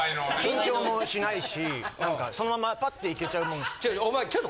緊張もしないしそのままパッていけちゃうもん。